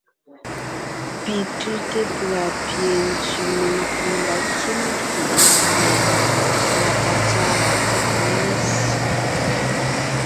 Pi tʉ́te pʉ̀a pie ntsẅì menkʉ̀ la kím fʉʼ gie fùɔ patsɔ́ɔn la tó tà néŋe ssé.